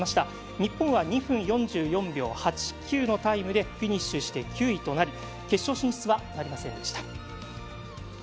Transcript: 日本は２分４４秒８９のタイムでフィニッシュして９位となり決勝進出はなりませんでした。